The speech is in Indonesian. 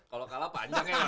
kalau kalah panjang ya